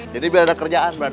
jadi biar ada kerjaan banda